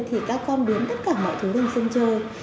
thì các con đến tất cả mọi thứ thú sinh chơi